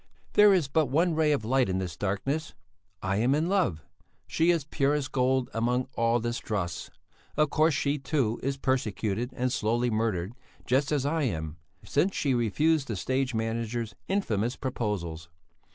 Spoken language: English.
"There is but one ray of light in this darkness: I am in love. She is purest gold among all this dross. Of course she, too, is persecuted and slowly murdered, just as I am, since she refused the stage manager's infamous proposals.